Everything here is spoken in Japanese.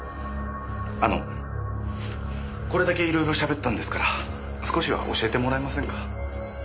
あのこれだけ色々喋ったんですから少しは教えてもらえませんか？